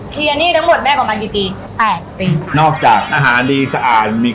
คลีย์อันนี้ทั้งหมดแม่กว่ามากี่ปีแปดปีนอกจากอาหารดีสะอาดมี